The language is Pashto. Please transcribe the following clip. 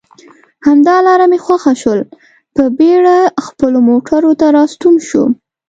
همدا لار مې خوښه شول، په بېړه خپلو موټرو ته راستون شوم.